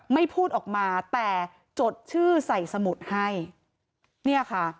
ไม่พูดออกมาแต่จดชื่อใส่สมุดให้